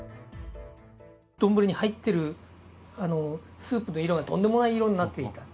丼に入っているスープの色がとんでもない色になっていた。